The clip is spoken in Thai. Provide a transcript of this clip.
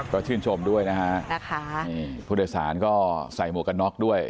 ก็ชื่นชมด้วยนะฮะนี่ผู้โดยสารก็ใส่หมวกกันน็อกด้วย